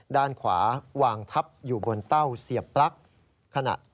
ด้านขวาวางทับอยู่บนเต้าเสียบปลั๊กขนาด